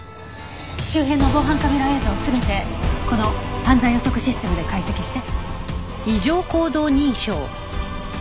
周辺の防犯カメラ映像を全てこの犯罪予測システムで解析して。